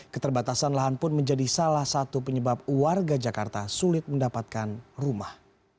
keterbatasan lahan pun menjadi salah satu penyebab warga jakarta sulit mendapatkan rumah